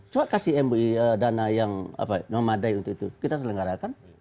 coba kasih mui dana yang memadai untuk itu kita selenggarakan